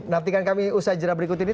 nantikan kami usai jenah berikut ini